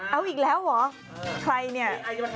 เอาอีกแล้วเหรอใครเนี่ย